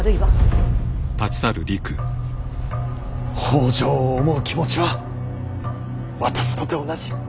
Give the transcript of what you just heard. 北条を思う気持ちは私とて同じ。